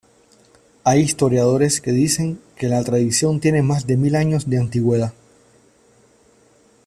Hay historiadores que dicen que la tradición tiene más de mil años de antigüedad.